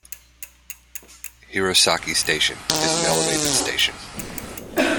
Hirosaki Station is an elevated station.